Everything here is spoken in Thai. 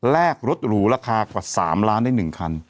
แรกรถหรูราคากว่า๓ล้านได้๑คัน